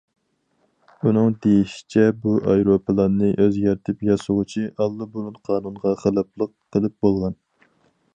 ئۇنىڭ دېيىشىچە بۇ ئايروپىلاننى ئۆزگەرتىپ ياسىغۇچى ئاللىبۇرۇن قانۇنغا خىلاپلىق قىلىپ بولغان.